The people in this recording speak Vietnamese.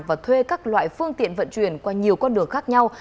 và thuê các loại phương tiện vận chuyển qua nhiều con đường khác nhau